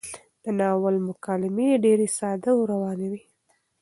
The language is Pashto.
د ناول مکالمې ډېرې ساده او روانې دي.